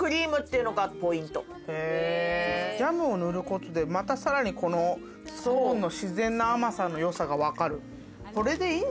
へぇジャムを塗ることでまたさらにこのスコーンの自然な甘さの良さが分かる。